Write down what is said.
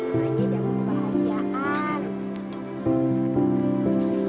makanya dia mau kebahagiaan